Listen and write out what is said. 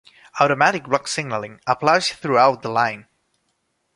Automatic Block Signalling applies throughout the line.